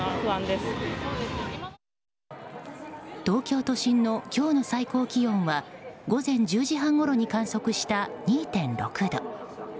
東京都心の今日の最高気温は午前１０時半ごろに観測した２．６度。